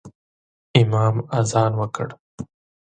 امام اذان وکړ